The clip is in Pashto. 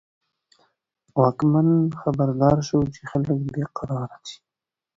واکمن خبردار شو چې خلک بې قرار دي.